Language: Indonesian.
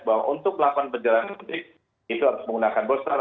bahwa untuk lakukan penjelajahan politik itu harus menggunakan bolster